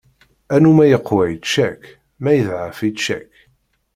Annu ma iqwa ičča-k, ma iḍɛef ičča-k.